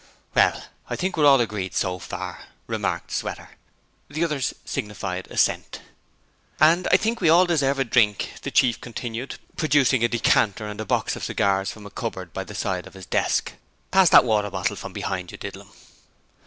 'Well, I think we're all agreed, so far,' remarked Sweater. The others signified assent. 'And I think we all deserve a drink,' the Chief continued, producing a decanter and a box of cigars from a cupboard by the side of his desk. 'Pass that water bottle from behind you, Didlum.'